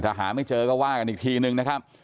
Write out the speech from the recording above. ถ้าหาไม่เจอก็ว่ากันอีกทีนึงนะครับ